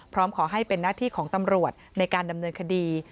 พร้อมขอให้เป็นหน้าที่ของตำรวจในการดำเนินคดี